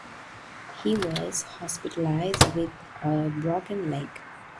He was hospitalized with a broken leg.